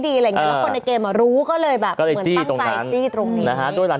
ดีแล้วคนในเกมรู้ก็เลยแบบตั้งใจตรงนี้นะฮะโดยร้าน